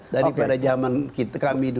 dari pada zaman kami dulu